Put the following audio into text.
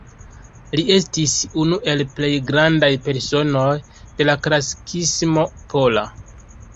Li estis unu el plej grandaj personoj de la klasikismo pola.